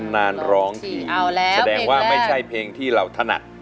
นานร้องทีแสดงว่าไม่ใช่เพลงที่เราถนัด